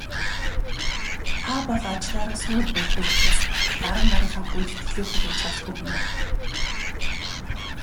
Та бол ажлаараа сүүл барьдаг учраас дарга нарынхаа хүндэтгэлийг хүлээж чаддаггүй хүн байна.